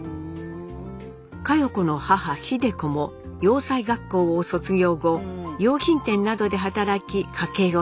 佳代子の母秀子も洋裁学校を卒業後洋品店などで働き家計を支えます。